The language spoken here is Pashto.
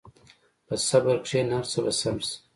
په صبر کښېنه، هر څه به سم شي.